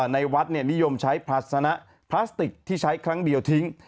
ในวัดนิยมใช้ภาษณะพลาสติกที่ใช้ครั้งเดียวทิ้ง